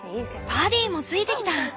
パディもついてきた！